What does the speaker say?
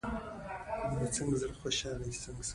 په معاصره شاعرۍ کې له کلاسيکې شاعرۍ سره